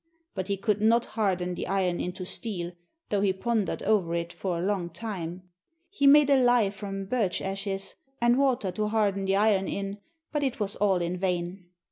But he could not harden the iron into steel, though he pondered over it for a long time. He made a lye from birch ashes and water to harden the iron in, but it was all in vain.